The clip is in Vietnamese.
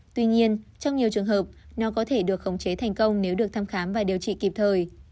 tuy nhiên trong nhiều trường hợp nó có thể được khống chế thành công nếu được thăm khám và điều trị kịp thời